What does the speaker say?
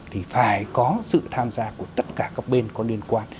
thì phải có sự tham gia của tất cả các bên có liên quan